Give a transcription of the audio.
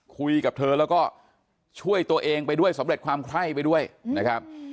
คุยกับเธอแล้วก็ช่วยตัวเองไปด้วยสำเร็จความไข้ไปด้วยนะครับ